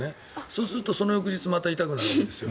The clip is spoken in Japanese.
そうすると、その翌日また痛くなるんですよ。